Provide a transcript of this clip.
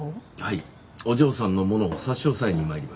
お嬢さんのものを差し押さえに参りました。